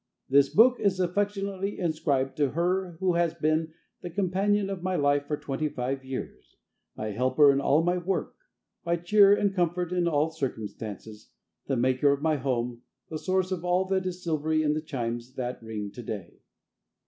_This book is affectionately inscribed to her who has been the companion of my life for twenty five years; my helper in all my work; my cheer and comfort in all circumstances; the maker of my home; the source of all that is silvery in the chimes that ring to day.